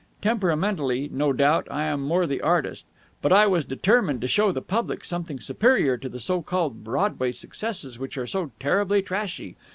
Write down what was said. Temperamentally, no doubt, I am more the artist. But I was determined to show the public something superior to the so called Broadway successes, which are so terribly trashy.